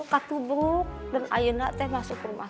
kaku berubah dan ayunan saya masuk rumah